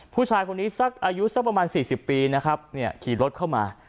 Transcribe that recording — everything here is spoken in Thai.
ผู้ชายคนนี้อายุสักประมาณ๔๐ปีขี่รถเข้ามา